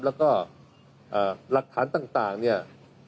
แล้วก็หลักฐานต่างเนี่ย